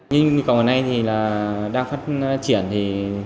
như như còn hồi nay thì là đang phát triển thì